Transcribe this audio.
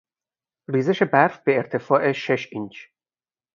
ریزش برف به ارتفاع شش اینچ